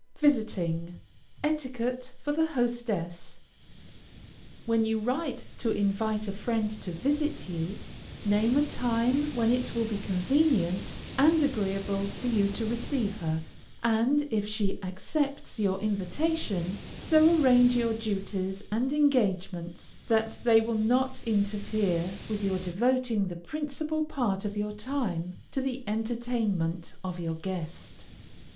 VISITING. ETIQUETTE FOR THE HOSTESS. When you write to invite a friend to visit you, name a time when it will be convenient and agreeable for you to receive her, and if she accepts your invitation, so arrange your duties and engagements that they will not interfere with your devoting the principal part of your time to the entertainment of your guest.